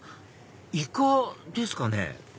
イカですかね？